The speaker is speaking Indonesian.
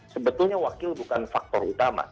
sebetulnya wakil bukan faktor utama